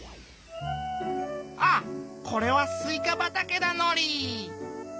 あっこれはすいかばたけだのりぃ！